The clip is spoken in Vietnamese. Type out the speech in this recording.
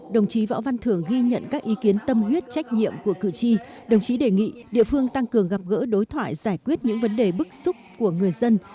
đồng chí võ văn thưởng ghi nhận các ý kiến tâm huyết trách nhiệm của cử tri đồng chí đề nghị địa phương tăng cường gặp gỡ đối thoại giải quyết những vấn đề bức xúc của người dân